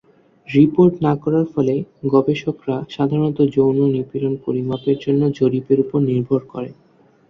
Report না করার ফলে, গবেষকরা সাধারণত যৌন নিপীড়ন পরিমাপের জন্য জরিপের উপর নির্ভর করেন।